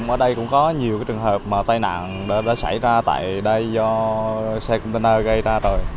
ở đây cũng có nhiều trường hợp tai nạn đã xảy ra tại đây do xe container gây ra rồi